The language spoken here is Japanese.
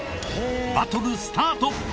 バトルスタート！